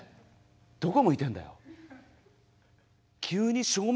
どこ向いてんだよ。